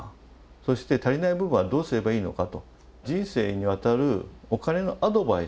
そして足りない部分はどうすればいいのかと。